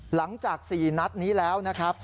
หลังจาก๔นัดนี้แล้วนะครับ